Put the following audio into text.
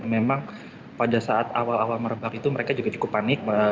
memang pada saat awal awal merebak itu mereka juga cukup panik